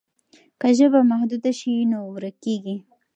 که ژبه محدوده شي نو ورکېږي.